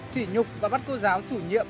xỉ nhục và bắt cô giáo chủ nhiệm